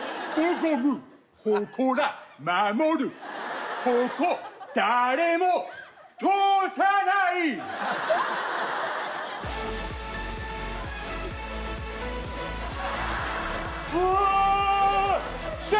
ここ誰も通さないわー！